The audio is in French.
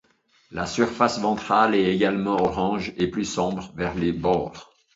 La surface ventrale est également orange et plus sombre vers le bord.